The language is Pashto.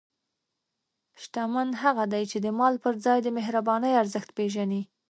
شتمن هغه دی چې د مال پر ځای د مهربانۍ ارزښت پېژني.